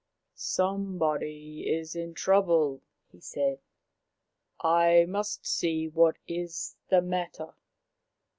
" Some body is in trouble/' he said. " I must see what is the matter."